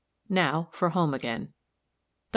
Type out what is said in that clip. NOW FOR HOME AGAIN. Dr.